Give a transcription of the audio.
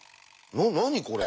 何これ？